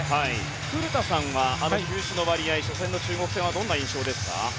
古田さんは球種の割合、初戦の中国戦はどんな印象ですか？